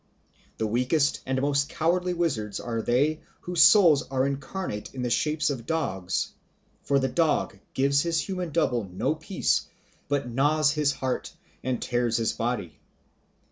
The weakest and most cowardly wizards are they whose souls are incarnate in the shape of dogs, for the dog gives his human double no peace, but gnaws his heart and tears his body.